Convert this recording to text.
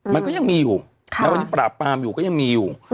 มันก็ยังมีอยู่แล้ววันนี้ปราบปรามอยู่ก็ยังมีอยู่